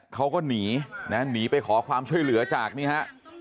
เขาก็หนีนะหนีไปขอความช่วยเหลือจากนี่ฮะ